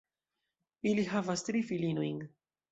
Ili havas tri filinojn.